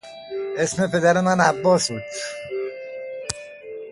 اسم پدر من عباس بود.